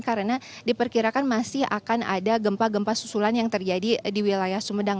karena diperkirakan masih akan ada gempa gempa susulan yang terjadi di wilayah sumedang